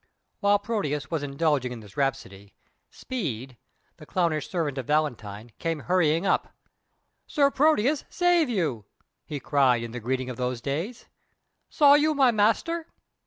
While Proteus was indulging in this rhapsody, Speed, the clownish servant of Valentine, came hurrying up. "Sir Proteus, save you!" he cried, in the greeting of those days. "Saw you my master?"